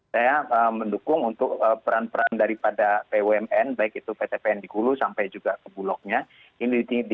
saya mendukung untuk peran peran daripada bumn baik itu pt pn di hulu sampai juga ke bulognya